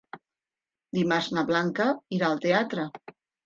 Dimarts na Blanca irà al teatre.